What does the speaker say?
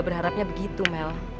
berharapnya begitu mel